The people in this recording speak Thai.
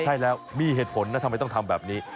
ใช่แล้วมีเหตุผลนะทำไมต้องทำแบบนี้